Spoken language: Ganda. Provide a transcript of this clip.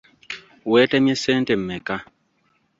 Weetemye ssente mmeka?